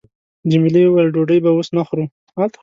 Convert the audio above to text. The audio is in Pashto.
جميلې وويل:، ډوډۍ به اوس نه خورو.